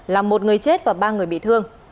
làm một người chết và ba người bị thương